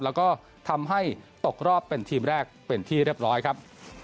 แล้วก็ทำให้ตกรอบเป็นทีมแรกเป็นที่เรียบร้อยครับ